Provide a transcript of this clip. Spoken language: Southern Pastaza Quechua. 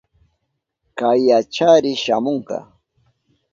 Kayachari shamunka.